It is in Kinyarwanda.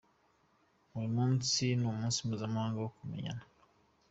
Uyu munsi ni umunsi mpuzamahanga wo kumenyana.